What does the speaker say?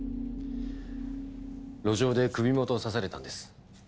路上で首元を刺されたんです。